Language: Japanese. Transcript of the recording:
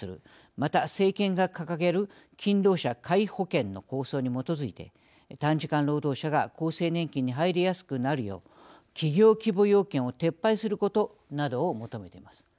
また政権が掲げる勤労者皆保険の構想に基づいて短時間労働者が厚生年金に入りやすくなるよう企業規模要件を撤廃することなどを求めています。